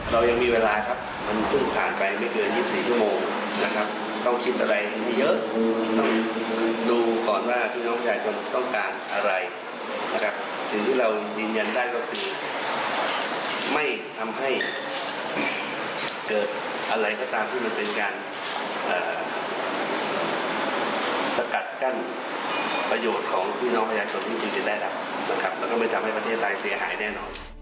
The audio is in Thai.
และก็ไม่ทำให้ประเทศรายเสียหายแน่นอน